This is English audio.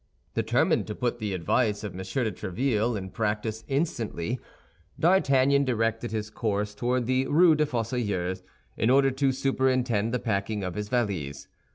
Determined to put the advice of M. de Tréville in practice instantly, D'Artagnan directed his course toward the Rue des Fossoyeurs, in order to superintend the packing of his valise.